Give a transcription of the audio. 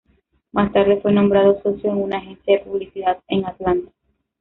Más tarde fue nombrado socio en una agencia de publicidad en Atlanta.